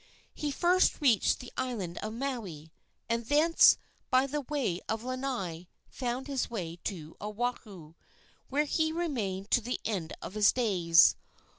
He first reached the island of Maui, and thence by the way of Lanai found his way to Oahu, where he remained to the end of his days.